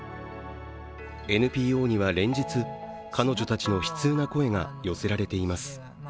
ＮＰＯには連日、彼女たちの悲痛な声が寄せられています。